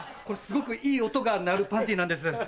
これすごくいい音が鳴るパンティーなんです。